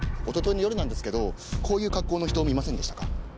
一昨日の夜なんですけどこういう格好の人見ませんでしたか？